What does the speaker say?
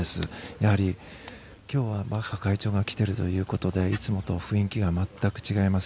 やはり今日はバッハ会長が来ているということでいつもと雰囲気が全く違います。